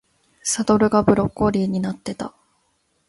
サドルがブロッコリーになってた